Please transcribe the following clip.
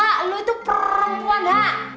lu itu perempuan ha